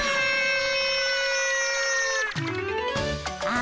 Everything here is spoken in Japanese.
あ！